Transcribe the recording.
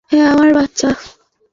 হ্যাঁ, আমার বাচ্চা।